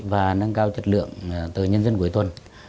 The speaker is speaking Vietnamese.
và nâng cao chất lượng từ nhân dân cuối tuần